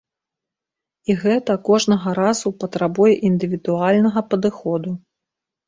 І гэта кожнага разу патрабуе індывідуальнага падыходу.